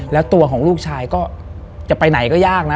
แล้วตัวของลูกชายก็จะไปไหนก็ยากนะ